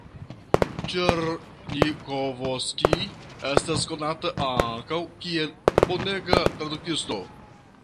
Ĉerniĥovskij estas konata ankaŭ kiel bonega tradukisto.